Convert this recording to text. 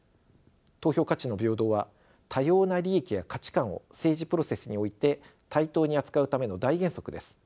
投票価値の平等は多様な利益や価値観を政治プロセスにおいて対等に扱うための大原則です。